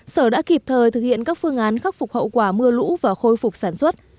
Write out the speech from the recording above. sở đã kịp thời thực hiện các phương án khắc phục hậu quả mưa lũ và khôi phục sản xuất